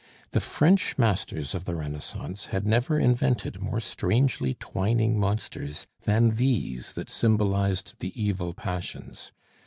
The French masters of the Renaissance had never invented more strangely twining monsters than these that symbolized the evil passions.